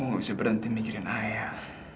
gue gak bisa berhenti mikirin ayah